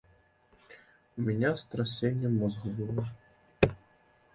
У мяне страсенне мозгу было.